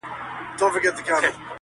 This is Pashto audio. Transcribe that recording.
• ما راپورته يو نااهله كړ د ښاره -